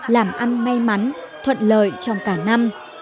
làm ăn may mắn thuận lợi trong cả năm